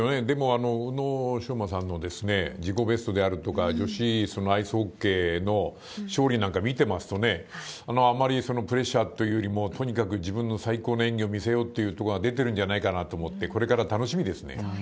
でも、宇野昌磨さんの自己ベストであるとか、女子アイスホッケーの勝利なんか見てますと、あまりそのプレッシャーというよりも、とにかく自分の最高の演技を見せようってところが出てるんじゃないかなと思って、これから楽しみですね。